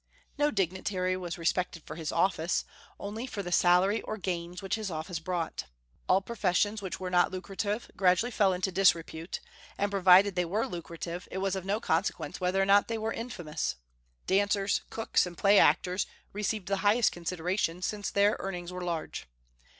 No dignitary was respected for his office, only for the salary or gains which his office brought. All professions which were not lucrative gradually fell into disrepute; and provided they were lucrative, it was of no consequence whether or not they were infamous. Dancers, cooks, and play actors received the highest consideration, since their earnings were large.